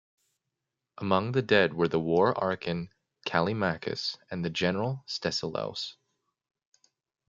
Among the dead were the war archon Callimachus and the general Stesilaos.